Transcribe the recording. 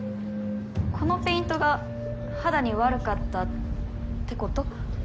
このペイントが肌に悪かったってこと？